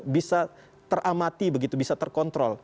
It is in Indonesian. bisa teramati begitu bisa terkontrol